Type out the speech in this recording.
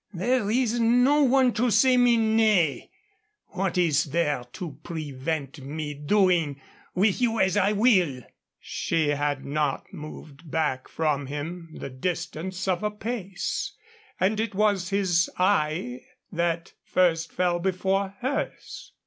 There is no one to say me nay. What is there to prevent me doing with you as I will?" She had not moved back from him the distance of a pace. And it was his eye that first fell before hers.